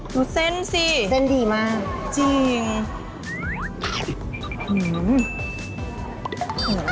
ดูเส้นสิเส้นดีมากจริง